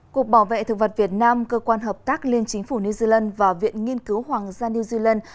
cục bảo vệ thực vật việt nam cơ quan hợp tác liên chính phủ new zealand và viện nghiên cứu hoàng gia new zealand